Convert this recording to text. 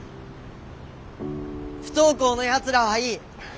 不登校のやつらはいい。